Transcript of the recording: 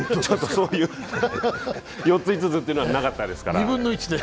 そういう４つ５つというのはなかったですから。